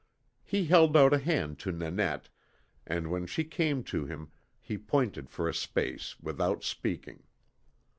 He held out a hand to Nanette, and when she came to him he pointed for a space, without speaking.